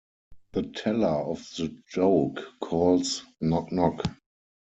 The teller of the joke calls Knock, knock!